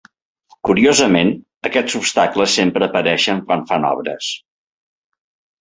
Curiosament, aquests obstacles sempre apareixen quan fan obres.